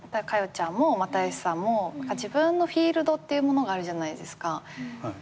ちゃんも又吉さんも自分のフィールドってものあるじゃないですか。